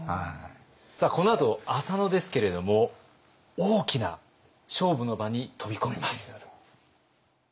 さあこのあと浅野ですけれども大きな勝負の場に飛び込みます。